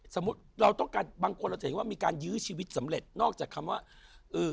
สมมุติเราต้องการบางคนเราจะเห็นว่ามีการยื้อชีวิตสำเร็จนอกจากคำว่าเออ